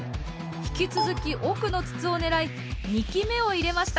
引き続き奥の筒を狙い２機目を入れました。